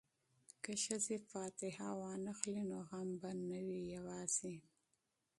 که ښځې فاتحه واخلي نو غم به نه وي یوازې.